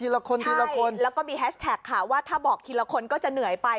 แล้วก็มีแฮชแท็กค่ะว่าถ้าบอกทีละคนก็จะเหนื่อยไป